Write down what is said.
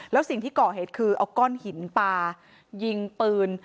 แล้วสิ่งที่ก่อเหตุคือเอาก้อนหินปลายิงปืน